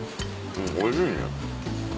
うんおいしいね。